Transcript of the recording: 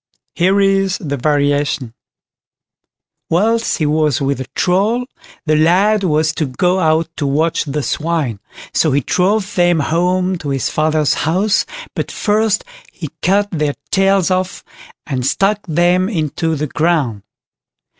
Here is the variation: "Whilst he was with the Troll, the lad was to go out to watch the swine, so he drove them home to his father's house, but first he cut their tails off, and stuck them into the ground.